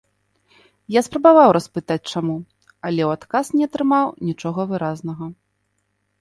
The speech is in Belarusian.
Я спрабаваў распытаць, чаму, але ў адказ не атрымаў нічога выразнага.